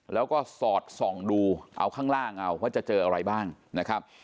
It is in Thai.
แล้วก็สอดส่องดูเอาข้างล่างเอาว่าจะเจออะไรบ้างนะครับ